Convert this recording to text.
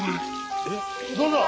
どうぞ！